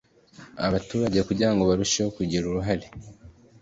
abaturage kugira ngo barusheho kugira uruhare